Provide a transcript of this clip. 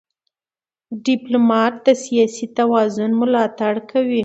ډيپلومات د سیاسي توازن ملاتړ کوي.